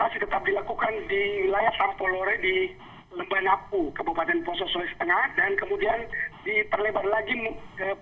sejauh ini operasi tetap dilakukan di wilayah san polore di lembana